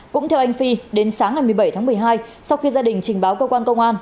cũng theo anh phi đến sáng ngày một mươi bảy tháng một mươi hai sau khi gia đình trình báo cơ quan công an